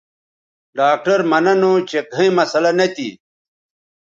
ڈاکٹر مہ ننو چہ گھئیں مسلہ نہ تھی